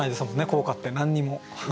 校歌って何にも。